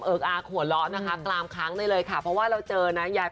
เอ้ามีหรอ